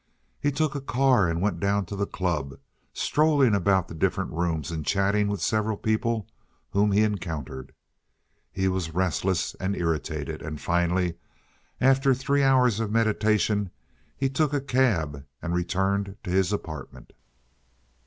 He took a car and went down to the club, strolling about the different rooms and chatting with several people whom he encountered. He was restless and irritated; and finally, after three hours of meditation, he took a cab and returned to his apartment.